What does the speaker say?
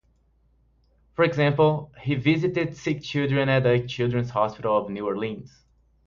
For example, he visited sick children at the Children's Hospital of New Orleans.